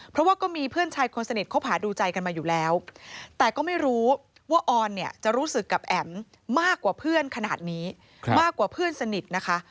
เพราะว่าก็มีเพื่อนชายคนสนิทคบหาดูใจกันมาอยู่แล้วแต่ก็ไม่รู้ว่าออนเนี่ยจะรู้สึกกับแอ๋มมากกว่าเพื่อนขนาดนี้มากกว่าเพื่อนสนิทนะคะ